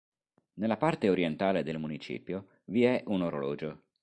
Nella parte orientale del municipio vi è un orologio.